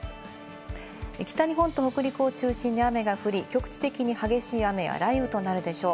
北日本と北陸を中心に雨が降り、局地的に激しい雨や雷雨となるでしょう。